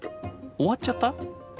終わっちゃった？